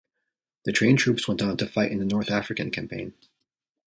The trained troops went on to fight in the North African campaign.